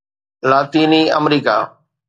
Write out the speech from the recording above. لاطيني آمريڪا